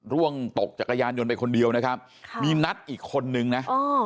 ร่วงตกจักรยานยนต์ไปคนเดียวนะครับมีนัดอีกคนนึงนะ